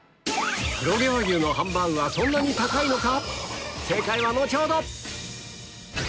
黒毛和牛のハンバーグはそんなに高いのか？